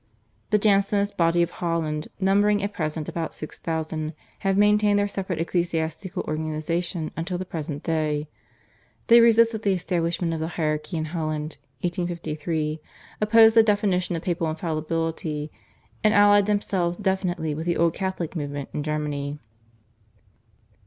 The Jansenist body of Holland, numbering at present about six thousand, have maintained their separate ecclesiastical organisation until the present day. They resisted the establishment of the hierarchy in Holland (1853), opposed the definition of Papal Infallibility, and allied themselves definitely with the old Catholic movement in Germany.